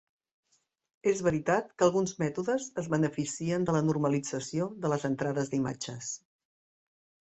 És veritat que alguns mètodes es beneficien de la normalització de les entrades d'imatges.